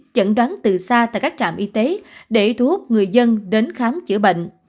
chẩn đoán từ xa tại các trạm y tế để thu hút người dân đến khám chữa bệnh